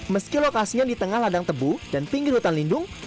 meski lokasinya di tengah ladang tebu dan pinggir hutan lindung